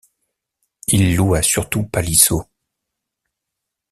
Il loua surtout Palissot.